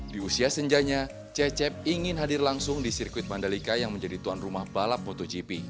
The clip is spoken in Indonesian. di usia senjanya cecep ingin hadir langsung di sirkuit mandalika yang menjadi tuan rumah balap motogp